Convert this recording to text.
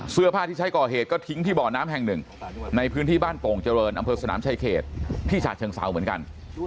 เสื้อผ้าที่ใช้ก่อเหตุก็ทิ้งที่บ่อน้ำแห่งหนึ่งในพื้นที่บ้านโป่งเจริญอำเภอสนามชายเขตที่ฉะเชิงเซาเหมือนกัน